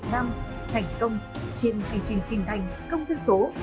trên hành trình kinh doanh công dân số